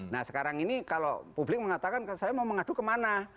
nah sekarang ini kalau publik mengatakan saya mau mengadu kemana